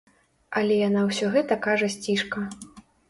Але яна ўсё гэта кажа сцішка.